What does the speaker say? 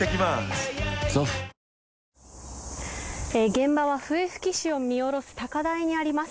現場は、笛吹市を見下ろす高台にあります。